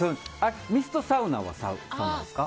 ミストサウナはサウナですか？